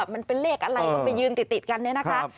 มันเป็นเลขอะไรก็ไปยืนติดกันเนี่ยนะคะ